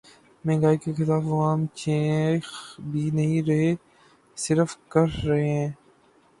مہنگائی کے خلاف عوام چیخ بھی نہیں رہے‘ صرف کڑھ رہے ہیں۔